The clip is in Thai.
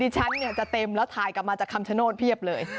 ฉันเนี่ยจะเต็มแล้วถ่ายกลับมาจากคำชโนธเพียบเลย